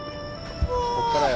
ここからよ。